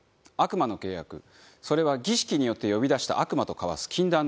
それは儀式によって呼び出した悪魔と交わす禁断の契約。